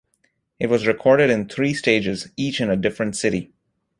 It was recorded in three stages, each in a different city.